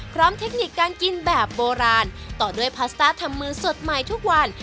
เทคนิคการกินแบบโบราณต่อด้วยพาสต้าทำมือสดใหม่ทุกวัน